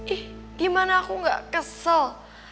ih gimana aku gak kesel